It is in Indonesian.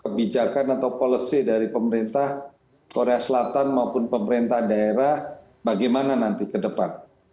kebijakan atau policy dari pemerintah korea selatan maupun pemerintah daerah bagaimana nanti ke depan